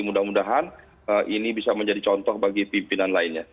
mudah mudahan ini bisa menjadi contoh bagi pimpinan lainnya